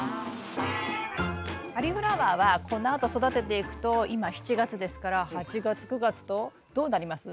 カリフラワーはこのあと育てていくと今７月ですから８月９月とどうなります？